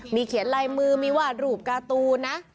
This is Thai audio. มีเขียนลายมือมีวาดรูปการ์ตูนนะ